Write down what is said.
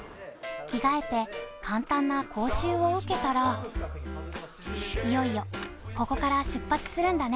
着替えて、簡単な講習を受けたらいよいよここから出発するんだね。